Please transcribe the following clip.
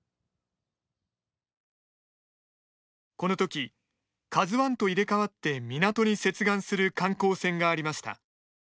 このとき、ＫＡＺＵ１と入れ代わって港に接岸する観光船がありました。